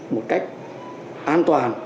một cách an toàn